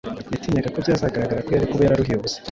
Yatinyaga ko byazagaragara ko yari kuba yararuhiye ubusa.